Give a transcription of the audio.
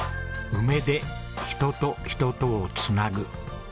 「梅で人と人とをつなぐ」。